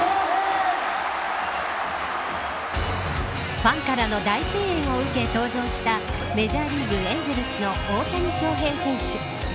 ファンからの大声援を受けて登場したメジャーリーグエンゼルスの大谷翔平選手。